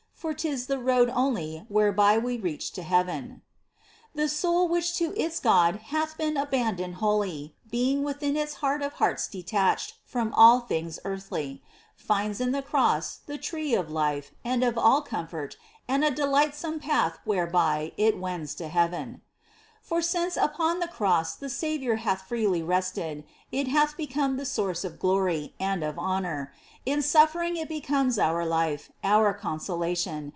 For 'tis the only road whereby We reach to heaven ! The soul which to its God hath been Abandoned wholly, Being within its heart of hearts detached From all things earthly, Finds in the Cross the Tree of Life And of all comfort, And a delightsome path whereby It wends to heaven. For since upon the Cross the Saviour Hath freely rested. It hath become the source of glory And of honour. In sufíering it becomes our life. Our consolation.